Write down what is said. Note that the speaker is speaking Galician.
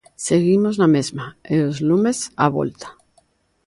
'Seguimos na mesma, e os lumes á volta'.